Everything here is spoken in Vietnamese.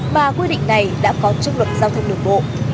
mà quy định này đã có trong luật giao thông đường bộ